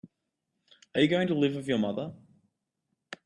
Are you going to live with your mother?